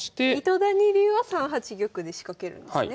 糸谷流は３八玉で仕掛けるんですね。